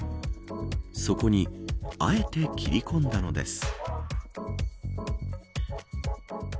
そこにあえて切り込んだのです。